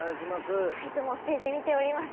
いつもステージ見ております。